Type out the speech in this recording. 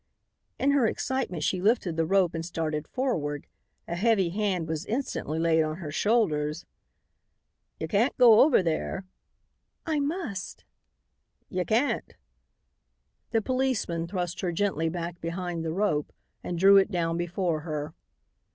In her excitement she lifted the rope and started forward. A heavy hand was instantly laid on her shoulders. "Y' can't go over there." "I must." "Y' can't." The policeman thrust her gently back behind the rope and drew it down before her.